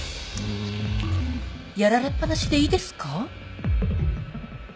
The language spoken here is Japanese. やられっ放しでいいですか？